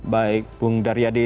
baik bung daryadi